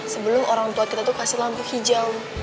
sebelum orang tua kita tuh kasih lampu hijau